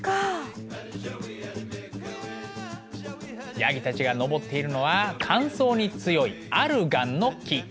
ヤギたちが登っているのは乾燥に強いアルガンの木。